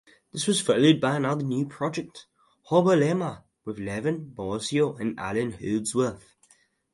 This was followed by another new project, HoBoLeMa, with Levin, Bozzio and Allan Holdsworth.